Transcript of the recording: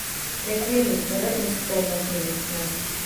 რეკვიემი სწორედ მის ხსოვნას მიუძღვნა.